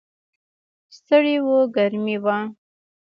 ستړي و، ګرمي وه.